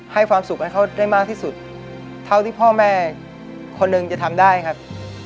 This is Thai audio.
ความสุขให้เขาได้มากที่สุดเท่าที่พ่อแม่คนหนึ่งจะทำได้ครับ